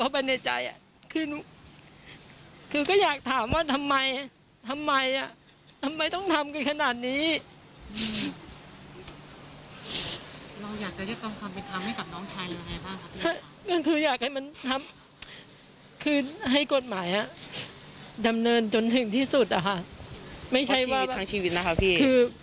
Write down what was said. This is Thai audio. เพราะชีวิตทางชีวิตนะคะพี่